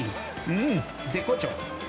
うーん、絶好調！